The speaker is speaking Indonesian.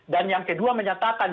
dan yang kedua menyatakan